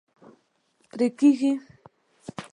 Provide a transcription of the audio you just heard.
پرې کیږي